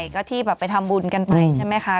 ก็ที่ไปทำบุญกันไป